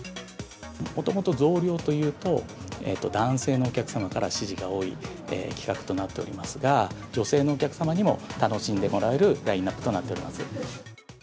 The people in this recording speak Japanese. もともと増量というと、男性のお客様から支持が多い企画となっておりますが、女性のお客様にも楽しんでもらえるラインナップとなっております。